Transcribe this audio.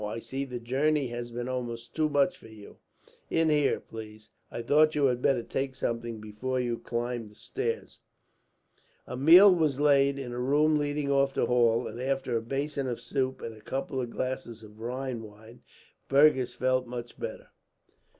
I see the journey has been almost too much for you. "In here, please. I thought you had better take something before you climbed the stairs." A meal was laid, in a room leading off the hall; and after a basin of soup and a couple of glasses of Rhine wine, Fergus felt much better.